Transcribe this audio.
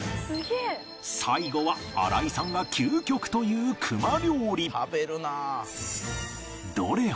最後は荒井さんが究極と言う熊料理